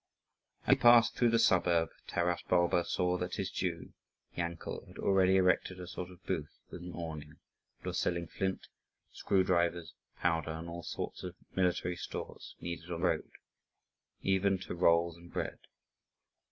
As he passed through the suburb, Taras Bulba saw that his Jew, Yankel, had already erected a sort of booth with an awning, and was selling flint, screwdrivers, powder, and all sorts of military stores needed on the road, even to rolls and bread.